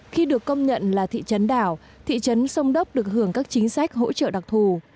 khi được công nhận là thị trấn đảo thị trấn sông đốc được hưởng các chính sách hỗ trợ đặc thù